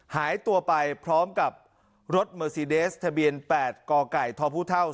หายตัวไปพร้อมกับรถเมอร์ซีเดสทะเบียน๘กไก่ทพ